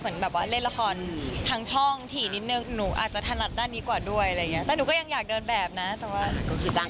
เหมือนแบบว่าเล่นละครทั้งช่องถี่นิดนึง